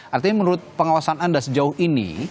artinya menurut pengawasan anda sejauh ini